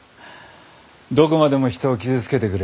どこまでも人を傷つけてくる。